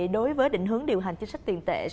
đối với định hướng điều hành chính sách tiền tệ